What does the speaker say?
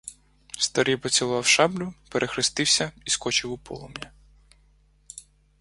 Старий поцілував шаблю, перехрестився — і скочив у полум'я.